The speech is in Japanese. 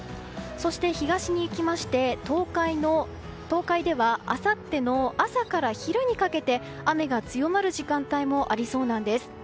そして東にいきまして東海ではあさっての朝から昼にかけて雨が強まる時間帯もありそうなんです。